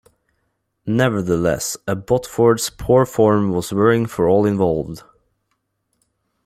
Nevertheless, Abbotsford's poor form was worrying for all involved.